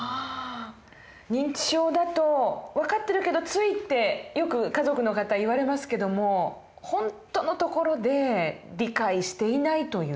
認知症だと分かってるけどついってよく家族の方言われますけども本当のところで理解していないという。